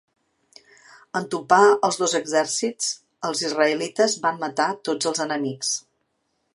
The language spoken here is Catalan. En topar els dos exèrcits, els israelites van matar tots els enemics.